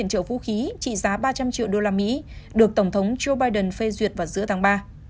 nga đã trở vũ khí trị giá ba trăm linh triệu usd được tổng thống joe biden phê duyệt vào giữa tháng ba